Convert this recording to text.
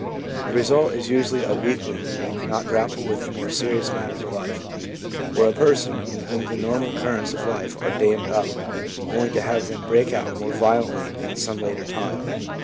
The result is usually a weakling who cannot grapple with the more serious matters of life, or a person in whom the normal currents of life are dammed up only to have them break out more violently at some later time.